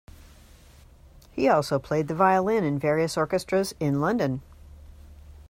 He also played the violin in various orchestras in London.